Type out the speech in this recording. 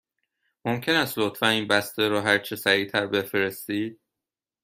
ممکن است لطفاً این بسته را هرچه سریع تر بفرستید؟